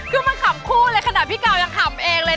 คือมันขำคู่เลยขนาดพี่กาวยังขำเองเลย